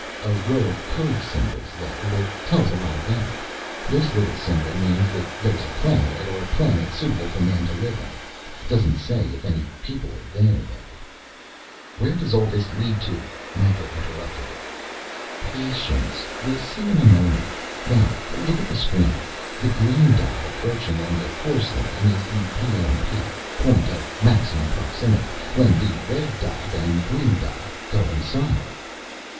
A row of code symbols though that tell a lot about it. This little symbol means that there is a planet or planets suitable for man to live on. Doesn't say if any people are there though." "Where does this all lead to?" Mikah interrupted. "Patience you'll see in a moment. Now look, at the screen. The green dot approaching on the course line is the PMP. Point of Maximum Proximity. When the red dot and green dot coincide...."